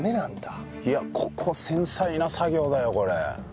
いやここ繊細な作業だよこれ。